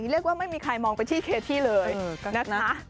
เรียกว่าไม่มีใครมองไปที่เคที่เลยนะคะ